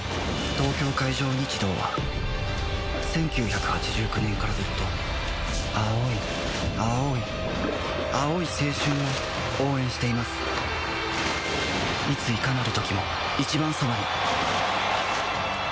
東京海上日動は１９８９年からずっと青い青い青い青春を応援していますあたらしいプレモル！